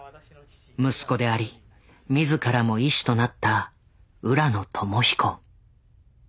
息子であり自らも医師となった浦野友彦。